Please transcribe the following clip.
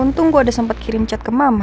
untung gue ada sempet kirim chat ke mama